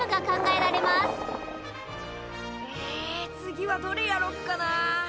え次はどれやろっかな。